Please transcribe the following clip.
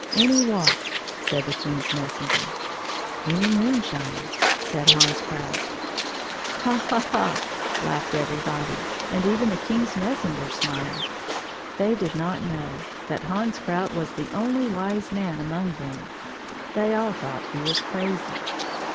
" Any what ?" said the King's messenger. " Any moonshine," said Hans Krout. " Ha ha ha !" laughed everybody, and even the King's messenger smiled. They did not know that Hans Krout was the only wise man among them — they all thought he was crazy.